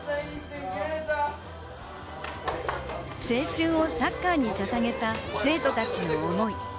青春をサッカーにささげた生徒たちの想い。